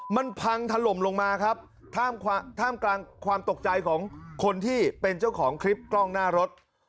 มันพังถล่มลงมาครับท่ามกลางความตกใจของคนที่เป็นเจ้าของคลิปกล้องหน้ารถ